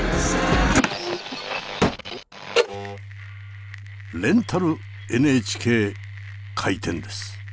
「レンタルＮＨＫ」開店です。